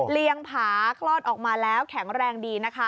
เลี้ยงผากลอดออกมาแล้วแข็งแรงดีนะคะ